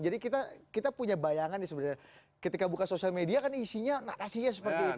jadi kita punya bayangan sebenarnya ketika buka sosial media kan isinya narasinya seperti itu